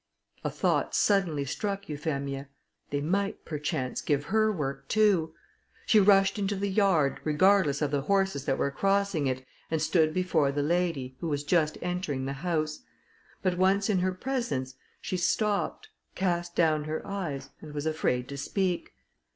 A thought suddenly struck Euphemia: they might perchance give her work too. She rushed into the yard, regardless of the horses that were crossing it, and stood before the lady, who was just entering the house; but once in her presence, she stopped, cast down her eyes, and was afraid to speak.